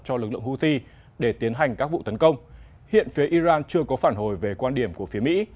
houthi để tiến hành các vụ tấn công hiện phía iran chưa có phản hồi về quan điểm của phía mỹ